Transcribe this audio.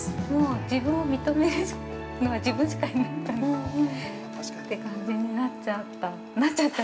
◆自分を認めるのは自分しかいないからって感じになっちゃった。